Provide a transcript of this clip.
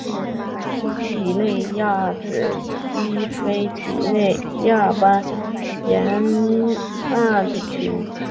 几内亚指西非几内亚湾沿岸地区。